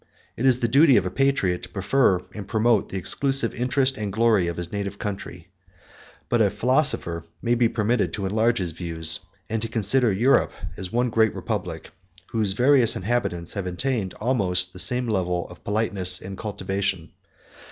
It is the duty of a patriot to prefer and promote the exclusive interest and glory of his native country: but a philosopher may be permitted to enlarge his views, and to consider Europe as one great republic whose various inhabitants have obtained almost the same level of politeness and cultivation.